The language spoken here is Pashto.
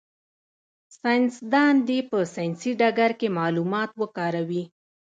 ساینس دان دي په ساینسي ډګر کي معلومات وکاروي.